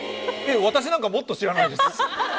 私なんか、もっと知らないです。